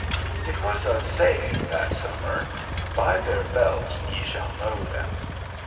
It was a saying that summer, "By their belts ye shall know them."